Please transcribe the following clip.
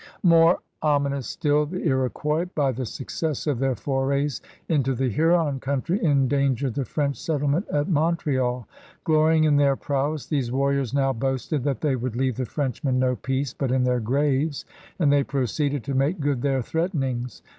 More ominous still, the Iroquois by the success of their forays into the Huron country endangered the French settlement at Montreal. Glorying in their prowess, these warriors now boasted that they would leave the Frenchmen no peace but in their graves. And they proceeded to make good their threatenings.